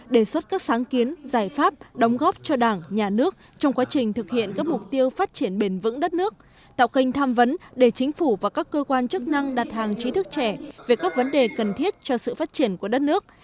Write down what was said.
đề xuất các sáng kiến giải pháp đóng góp cho đảng nhà nước trong quá trình thực hiện các mục tiêu phát triển bền vững đất nước tạo kênh tham vấn để chính phủ và các cơ quan chức năng đặt hàng trí thức trẻ về các vấn đề cần thiết cho sự phát triển của đất nước